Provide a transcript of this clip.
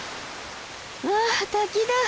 わあ滝だ。